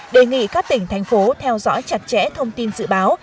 đề nghị các tỉnh thành phố theo dõi chặt chẽ thông tin dự báo